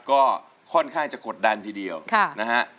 ก็ค่อนข้างจะกดดันทีเดียวนะฮะ